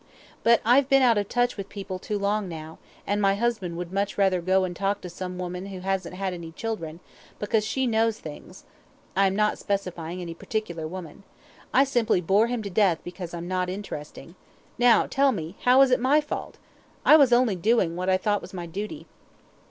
But I've been out of touch with people too long now, and my husband would much rather go and talk to some woman who hasn't had any children, because she knows things (I am not specifying any particular woman). I simply bore him to death because I'm not interesting. Now, tell me, how was it my fault? I was only doing what I thought was my duty.